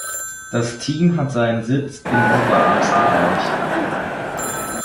Das Team hatte seinen Sitz in Oberösterreich.